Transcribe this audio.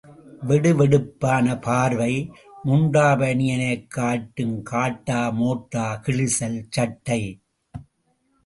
வெடு வெடுப்பான பார்வை... முண்டா பனியனைக்காட்டும் காட்டா மோட்டா கிழிசல் சட்டை.